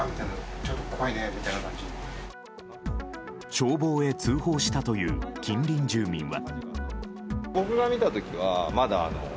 消防へ通報したという近隣住民は。